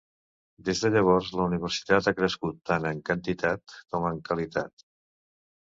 Des de llavors, la universitat ha crescut, tant en quantitat com en qualitat.